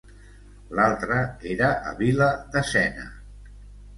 L'altra era a Vila de Sena.